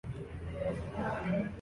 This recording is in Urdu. خطرہ کوئی ہے۔